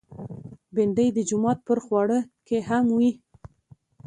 بېنډۍ د جومات پر خواړه کې هم وي